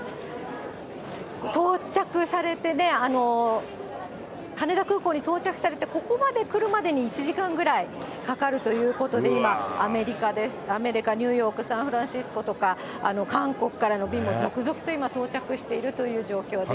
到着されてね、羽田空港に到着されて、ここまで来るまでに１時間ぐらいかかるということで、今、アメリカ・ニューヨーク、サンフランシスコ、韓国からの便も続々と今、到着しているという状況です。